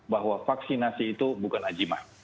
bahwa vaksinasi itu bukan ajiman